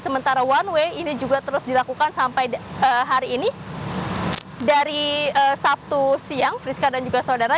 sementara one way ini juga terus dilakukan sampai hari ini dari sabtu siang friska dan juga saudara